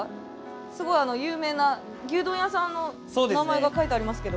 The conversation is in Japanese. すごい有名な牛丼屋さんの名前が書いてありますけど。